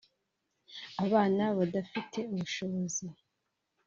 abana badafite ubushobozi